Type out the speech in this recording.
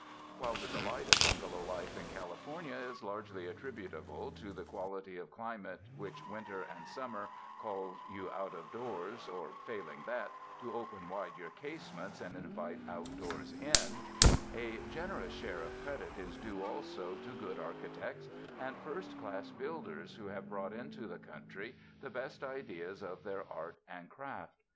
While the delight of bungalow life in California is largely attributable to the quality of climate which, \7inter and summer, calls you out of doors, or failing that, to open wide your casements and invite outdoors in, a generous share of credit is due also to good architects and first class builders who have brought into the country the best ideas of their art and craft.